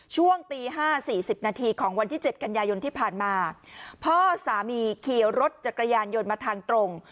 ช่วงตีห้าสี่สิบนาทีของวันที่เจ็ดกันยายนที่ผ่านมาพ่อสามีขี่รถจักรยานยนต์มาทางตรง